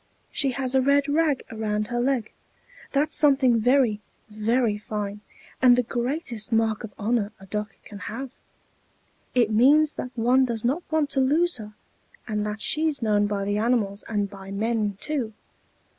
she has a red rag around her leg; that's something very, very fine, and the greatest mark of honor a duck can have: it means that one does not want to lose her, and that she's known by the animals and by men too.